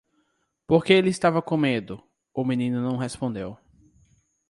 Porque ele estava com medo? o menino não respondeu.